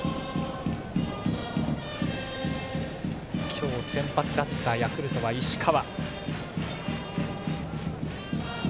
今日、先発だったヤクルトの石川。